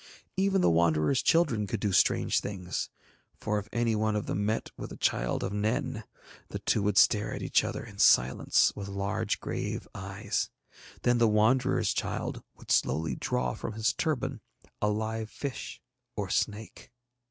Even the Wanderers' children could do strange things, for if any one of them met with a child of Nen the two would stare at each other in silence with large grave eyes; then the Wanderer's child would slowly draw from his turban a live fish or snake.